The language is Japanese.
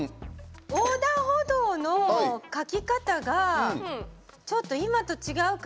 横断歩道の描き方がちょっと今と違うから。